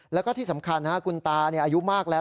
แล้วก็ที่สำคัญคุณตาอายุมากแล้ว